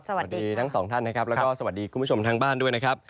สวัสดีทั้งสองท่านและสวัสดีคุณผู้ชมทางบ้านด้วย